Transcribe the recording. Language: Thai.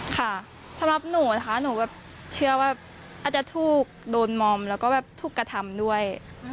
ค่ะสำหรับหนูนะคะหนูแบบเชื่อว่าอาจจะถูกโดนมอมแล้วก็แบบถูกกระทำด้วย